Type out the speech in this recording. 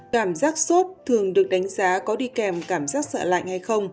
cảm giác sốt thường được đánh giá có đi kèm cảm giác sợ lạnh hay không